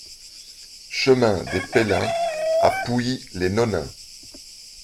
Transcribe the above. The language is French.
Chemin des Pellins à Pouilly-les-Nonains